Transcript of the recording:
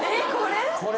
これ？